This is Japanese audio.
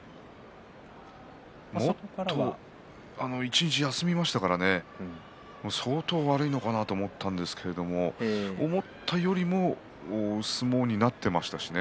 もっと一日休みましたから相当悪いのかなと思いましたけど思ったよりも相撲になっていましたしね。